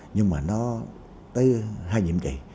nhưng mà nó tới hai nhiệm kỳ